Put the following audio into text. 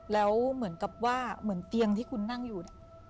แล้วเหมือนกับว่าเหมือนเตียงที่คุณนั่งอยู่เนี่ย